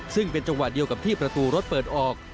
ซึ่งเป็นจังหวะเดียวกับที่ประตูรถเปิดออก